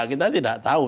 kita tidak tahu